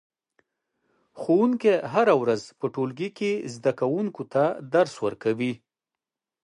ښوونکی هره ورځ په ټولګي کې زده کوونکو ته درس ورکوي